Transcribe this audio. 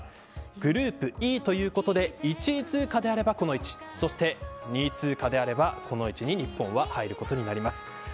グループＥということで１位通過であればこの位置２位通過であればこの位置に日本は入ることになります。